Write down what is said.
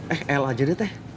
eh el aja deh teh